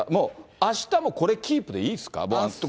あしたもこれキープでいいですか？